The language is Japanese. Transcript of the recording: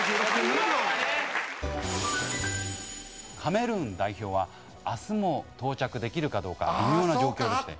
カメルーン代表は明日も到着できるかどうか微妙な状況でして。